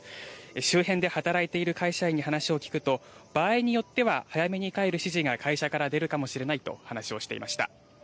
周辺で働いている会社員に話を聞くと場合によっては早めに帰る指示が会社から出るかもしれないと話していました。